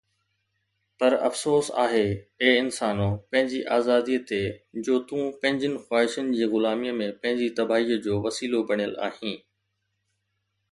پر افسوس آهي اي انسانو پنهنجي آزاديءَ تي جو تون پنهنجين خواهشن جي غلاميءَ ۾ پنهنجي تباهيءَ جو وسيلو بڻيل آهين.